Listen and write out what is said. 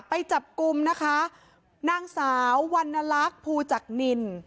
ไปจับกลุ่มนะคะนางสาววันนารักภูจักรนิน